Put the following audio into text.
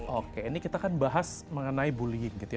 oke ini kita kan bahas mengenai bullying gitu ya